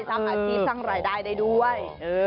สักอาทิตย์ทั้งหลายรายได้ด้วย